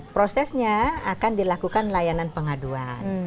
prosesnya akan dilakukan layanan pengaduan